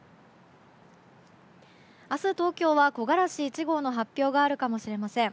明日、東京は木枯らし１号の発表があるかもしれません。